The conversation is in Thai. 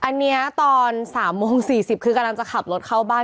อันนี้ตอน๓โมง๔๐คือกำลังจะขับรถเข้าบ้าน